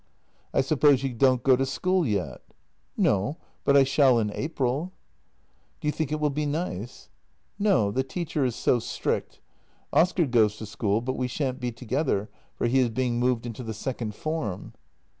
" I suppose you don't go to school yet? " "No, but I shall in April." JENNY 195 " Do you think it will be nice? "" No — the teacher is so strict. Oscar goes to school, but we shan't be together, for he is being moved into the second form."